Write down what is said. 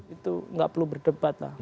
itu nggak perlu berdebat lah